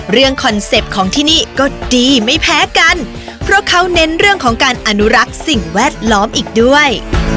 คอนเซ็ปต์ของที่นี่ก็ดีไม่แพ้กันเพราะเขาเน้นเรื่องของการอนุรักษ์สิ่งแวดล้อมอีกด้วย